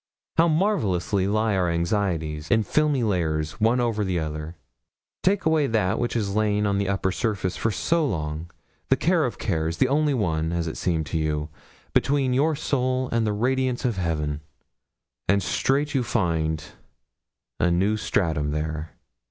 How marvellously lie our anxieties, in filmy layers, one over the other! Take away that which has lain on the upper surface for so long the care of cares the only one, as it seemed to you, between your soul and the radiance of Heaven and straight you find a new stratum there.